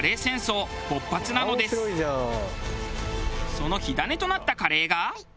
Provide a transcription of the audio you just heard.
その火種となったカレーが。